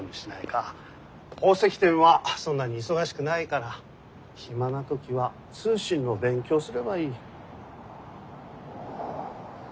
宝石店はそんなに忙しくないから暇な時は通信の勉強をすればいい。